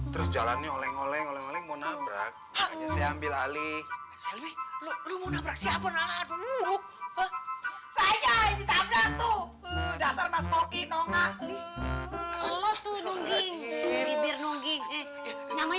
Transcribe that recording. terus jalannya oleng oleng oleng oleng mau nabrak saya ambil ali siapa nabrak dulu